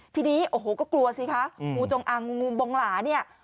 ทีนี้โอ้โหก็กลัวสิคะงูจงอางงูบงหลาเนี่ย